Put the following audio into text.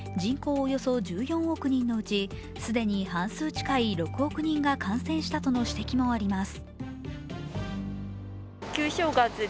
およそ１４億人のうち既に半数近い６億人が感染したとの指摘もあります。